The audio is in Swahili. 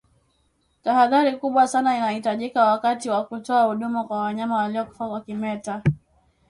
Tahadhari kubwa sana inahitajika wakati wa kutoa huduma kwa wanyama waliokufa kwa kimeta